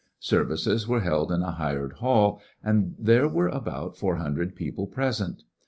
Services were held in a hired hall^ and there were abont fonr hundred people present.